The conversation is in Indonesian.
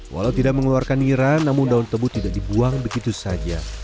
walau tidak mengeluarkan nira namun daun tebu tidak dibuang begitu saja